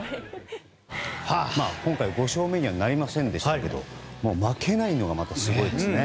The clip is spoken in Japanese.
今回５勝目にはなりませんでしたが負けないのがまたすごいですね。